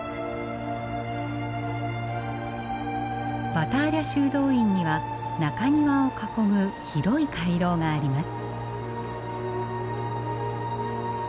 バターリャ修道院には中庭を囲む広い回廊があります。